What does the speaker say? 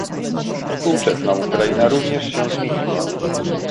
Współczesna Ukraina również się zmieniła